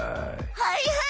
はいはい！